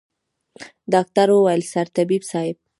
ډاکتر وويل سرطبيب صايب.